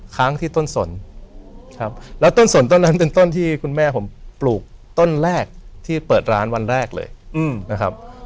ค้างที่ต้นสนครับแล้วต้นสนต้นนั้นเป็นต้นที่คุณแม่ผมปลูกต้นแรกที่เปิดร้านวันแรกเลยนะครับ